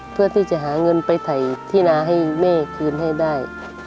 เพื่อที่จะหาเงินไปถ่ายที่นาให้แม่คืนให้ได้